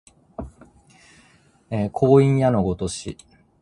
光陰矢のごとし